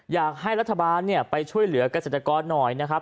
อยากให้รัฐบาลไปช่วยเหลือกเกษตรกรหน่อยนะครับ